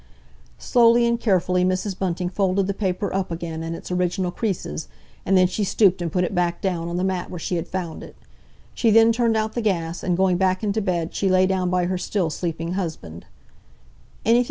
Slowly and carefully Mrs. Bunting folded the paper up again in its original creases, and then she stooped and put it back down on the mat where she had found it. She then turned out the gas, and going back into bed she lay down by her still sleeping husband.